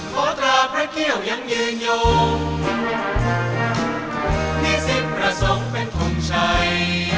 ขอตราพระเกี่ยวยังยืนยมที่สิทธิ์ประสงค์เป็นขุมชัย